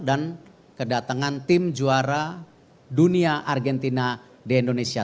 dan kedatangan tim juara dunia argentina di indonesia